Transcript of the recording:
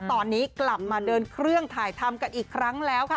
ตอนนี้กลับมาเดินเครื่องถ่ายทำกันอีกครั้งแล้วค่ะ